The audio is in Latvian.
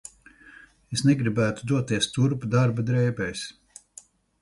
Es negribētu doties turp darba drēbēs.